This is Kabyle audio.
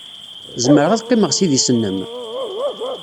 Zemreɣ ad qqimeɣ s idis-nnem?